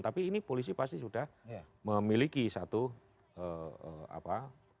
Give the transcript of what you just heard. tapi ini polisi pasti sudah memiliki satu apa